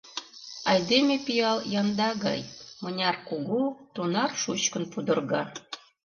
Айдеме пиал янда гай: мыняр кугу, тунар шучкын пудырга.